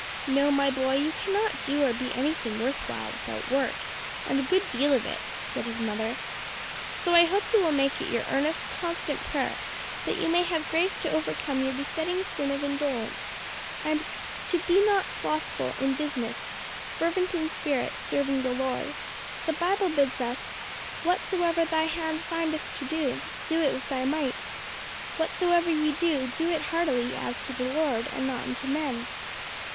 "No, my boy, you cannot do or be anything worth while without work, and a good deal of it," said his mother. "So I hope you will make it your earnest, constant prayer that you may have grace to overcome your besetting sin of indolence, and to 'be not slothful in business; fervent in spirit; serving the Lord'. The Bible bids us, 'Whatsoever thy hand findeth to do, do it with thy might. Whatsoever ye do, do it heartily, as to the Lord, and not unto men.'"